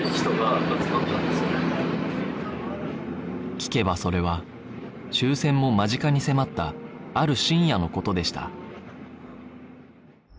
聞けばそれは終戦も間近に迫ったある深夜の事でした